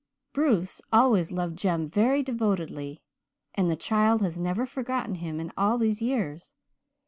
"Bruce always loved Jem very devotedly, and the child has never forgotten him in all these years.